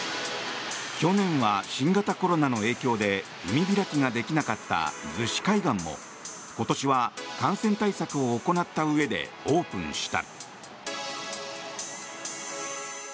去年は新型コロナの影響で海開きができなかった逗子海岸も今年は感染対策を行ったうえでオープンした。